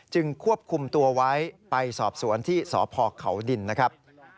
ควบคุมตัวไว้ไปสอบสวนที่สพเขาดินนะครับ